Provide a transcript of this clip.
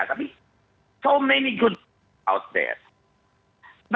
tapi banyak yang bagus di luar sana